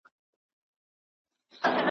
چي تر منځ به مو طلاوي وای وېشلي .